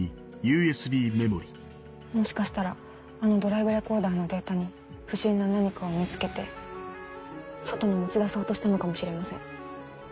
もしかしたらあのドライブレコーダーのデータに不審な何かを見つけて外に持ち出そうとしたのかもしれません。